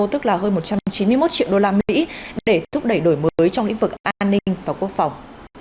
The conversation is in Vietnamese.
tức là hơn một trăm chín mươi một triệu đô la mỹ để thúc đẩy đổi mới trong lĩnh vực an ninh và quốc phòng